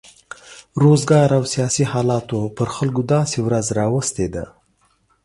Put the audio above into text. روزګار او سیاسي حالاتو پر خلکو داسې ورځ راوستې ده.